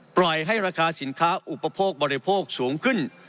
ปล่อยให้ราคาสินค้าอุปโภคบริโภคสูงขึ้น